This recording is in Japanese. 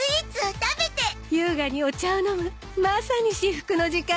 優雅にお茶を飲むまさに至福の時間！